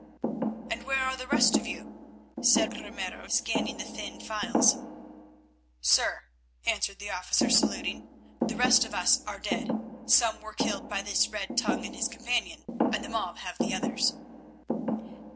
"And where are the rest of you?" said Ramiro, scanning the thin files. "Sir," answered the officer saluting, "the rest of us are dead. Some were killed by this red rogue and his companion, and the mob have the others."